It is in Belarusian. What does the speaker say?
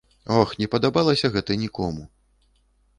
Ох, не падабалася гэта нікому.